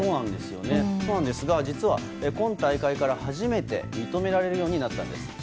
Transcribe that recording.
そうなんですが実は今大会から初めて認められるようになったんです。